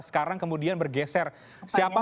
sekarang kemudian bergeser siapa